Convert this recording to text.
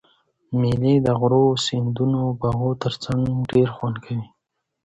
مېلې د غرو، سیندو او باغو ترڅنګ ډېر خوند کوي.